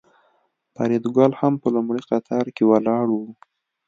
فریدګل هم په لومړي قطار کې ولاړ و